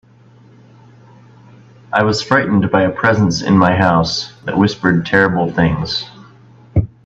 I was frightened by a presence in my house that whispered terrible things.